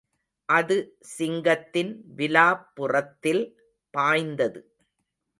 அது சிங்கத்தின் விலாப்புறத்தில் பாய்ந்தது.